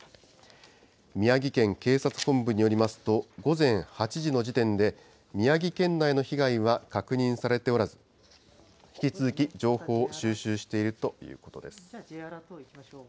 宮城県警察本部によりますと、午前８時の時点で、宮城県内の被害は確認されておらず、引き続き情報を収集しているということです。